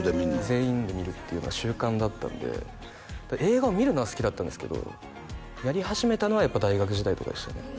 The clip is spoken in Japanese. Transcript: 全員で見るっていうのが習慣だったんで映画を見るのは好きだったんですけどやり始めたのはやっぱ大学時代とかでしたね